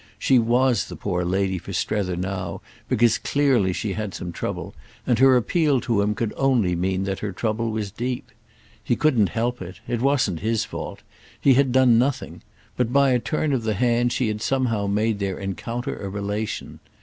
She was the poor lady for Strether now because clearly she had some trouble, and her appeal to him could only mean that her trouble was deep. He couldn't help it; it wasn't his fault; he had done nothing; but by a turn of the hand she had somehow made their encounter a relation.